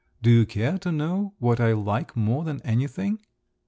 Do you care to know what I like more than anything?"